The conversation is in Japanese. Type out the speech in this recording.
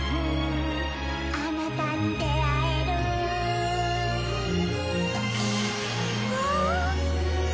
「あなたに出会える」わあ！